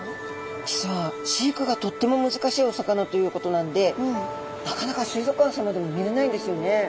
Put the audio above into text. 実は飼育がとっても難しいお魚ということなんでなかなか水族館さまでも見れないんですよね。